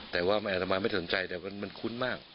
แต่ว่าแม่ละมายไม่สนใจแต่ว่ามันคุ้นมาก